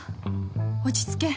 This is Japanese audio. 落ち着け